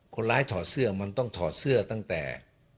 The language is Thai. ถอดเสื้อมันต้องถอดเสื้อตั้งแต่